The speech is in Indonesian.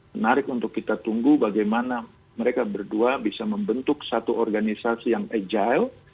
menarik untuk kita tunggu bagaimana mereka berdua bisa membentuk satu organisasi yang agile